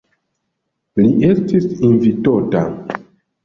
Li estis invitota.